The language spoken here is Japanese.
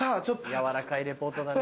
やわらかいリポートだね。